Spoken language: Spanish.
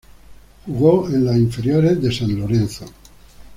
Jugó en las inferiores de San Lorenzo.